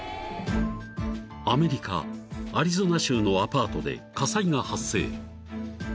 ［アメリカアリゾナ州のアパートで火災が発生］